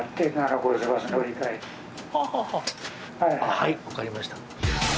はいわかりました。